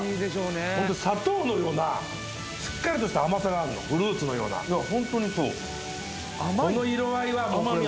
ホント砂糖のようなしっかりとした甘さがあるのフルーツのようないや